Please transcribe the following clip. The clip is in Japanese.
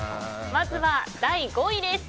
まずは第５位です。